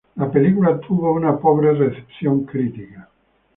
La película tuvo una pobre recepción crítica.